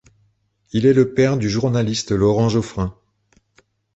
Il est le père du journaliste Laurent Joffrin.